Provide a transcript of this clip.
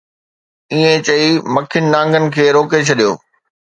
ائين چئي مکين نانگن کي روڪي ڇڏيو